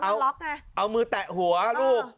เอ้าเอามือแตะหัวลูก